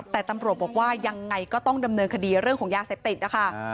แต่ตำรวจบอกว่ายังไงก็ต้องดำเนินคดีเรื่องของยาเสพติดนะคะ